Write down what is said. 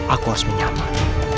aku harus menyambah